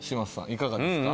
いかがですか？